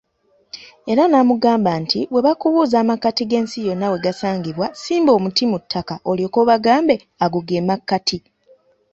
Era n'amugamba nti, we bakubuuza amakkati g'ensi yonna wegasangibwa, simba omuti mu ttaka olyoke obagambe ago ge makkati.